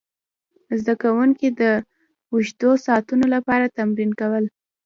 زده کوونکي د اوږدو ساعتونو لپاره تمرین کول.